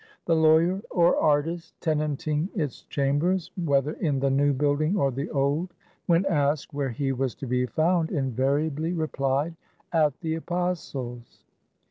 The lawyer or artist tenanting its chambers, whether in the new building or the old, when asked where he was to be found, invariably replied, At the Apostles'.